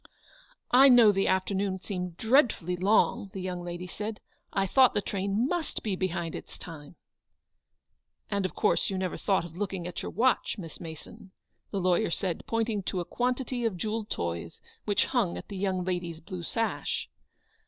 " I know the afternoon seemed dreadfully long," the young lady said. "I thought the train must be behind its time." " And, of course, you never thought of looking at your watch, Miss Mason," the lawyer said, pointing to a quantity of jewelled, toys which hung at the young lady's blue sash.